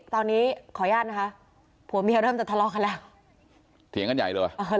ตอนนี้ขออนุญาตนะคะผัวเมียเริ่มจะทะเลาะกันแล้ว